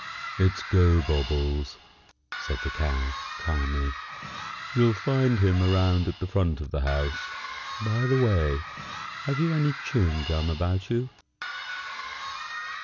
"It's Gobobbles," said the Cow, calmly. "You'll find him around at the front of the house. By the way, have you any chewing gum about you?"